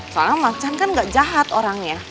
soalnya macan kan gak jahat orangnya